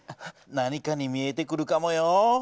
何かに見えてくるかもよ。